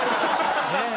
ねえ？